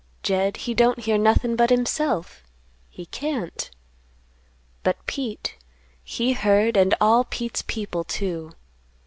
Jed he don't hear nothin' but himself; he can't. But Pete he heard and all Pete's people, too.